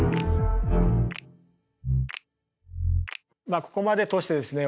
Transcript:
まあここまで通してですね